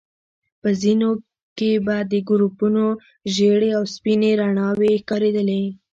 په ځينو کې به د ګروپونو ژيړې او سپينې رڼاوي ښکارېدلې.